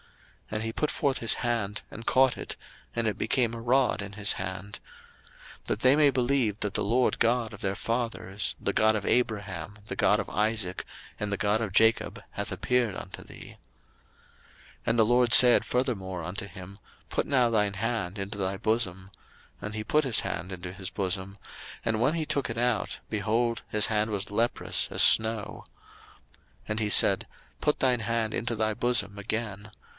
And he put forth his hand, and caught it, and it became a rod in his hand: 02:004:005 That they may believe that the LORD God of their fathers, the God of Abraham, the God of Isaac, and the God of Jacob, hath appeared unto thee. 02:004:006 And the LORD said furthermore unto him, Put now thine hand into thy bosom. And he put his hand into his bosom: and when he took it out, behold, his hand was leprous as snow. 02:004:007 And he said, Put thine hand into thy bosom again.